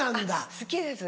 好きです。